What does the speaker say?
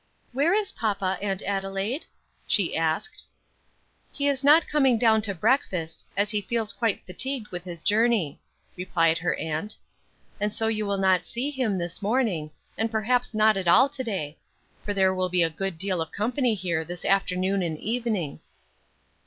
"Where is papa, Aunt Adelaide?" she asked. "He is not coming down to breakfast, as he feels quite fatigued with his journey," replied her aunt; "so you will not see him this morning, and perhaps not at all to day, for there will be a good deal of company here this afternoon and evening."